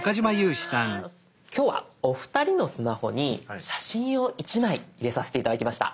今日はお二人のスマホに写真を１枚入れさせて頂きました。